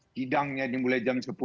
tidak mau hadir di mulai jam sepuluh